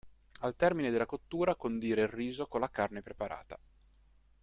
Al termine della cottura condire il riso con la carne preparata.